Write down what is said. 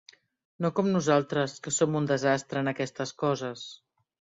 No com nosaltres, que som un desastre en aquestes coses.